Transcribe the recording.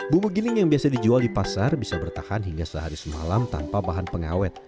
bumbu giling yang biasa dijual di pasar bisa bertahan hingga sehari semalam tanpa bahan pengawet